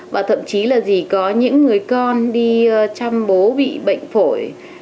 và thậm chí là gì có những người con đi chăm bố bị bệnh phổi